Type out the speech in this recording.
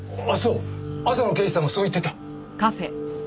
朝の刑事さんもそう言ってた。